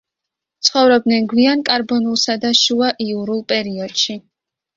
ცხოვრობდნენ გვიან კარბონულსა და შუა იურულ პერიოდში.